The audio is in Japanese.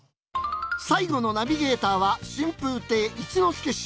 最後のナビゲーターは春風亭一之輔師匠。